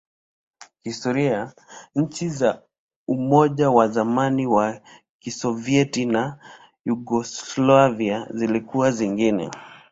Kihistoria, nchi za Umoja wa zamani wa Kisovyeti na Yugoslavia zilikuwa zingine.